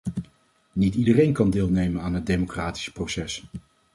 Niet iedereen kan deelnemen aan het democratische proces.